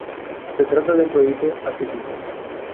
Se trata de un proyecto atípico.